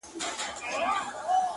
دا رکم ـ رکم در پسې ژاړي؛